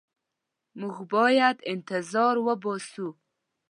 موږ باید انتظار وباسو.